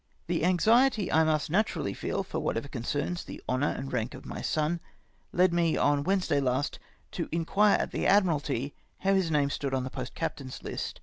" The anxiety I must naturally feel for whatever concerns the honour and rank of my son, led me, on Wednesday last, to inquire at the Admiralty how his name stood on the post captains' list.